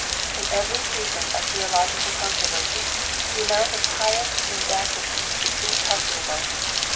In every season of theological con troversy the amount of pious mendacity is incalculable.